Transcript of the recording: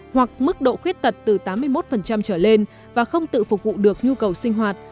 hoặc mức độ khuyết tật từ tám mươi một trở lên và không tự phục vụ được nhu cầu sinh hoạt